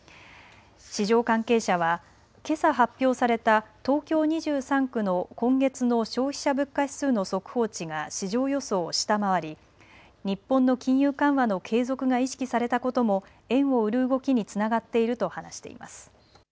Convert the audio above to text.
市場関係者は、けさ発表された東京２３区の今月の消費者物価指数の速報値が市場予想を下回り日本の金融緩和の継続が意識されたことも円を売る動きにつながっていると話しています。